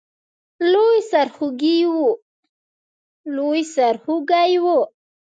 لوی سرخوږی وو.